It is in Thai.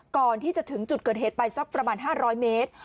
ก่อนที่จะถึงจุดเกิดเหตุไปสักประมาณ๕๐๐เมตร